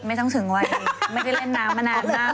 ไม่ต้องถึงวัยไม่ได้เล่นน้ำมานานมาก